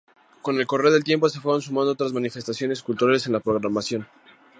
Con el correr del tiempo se fueron sumando otras manifestaciones culturales en la programación.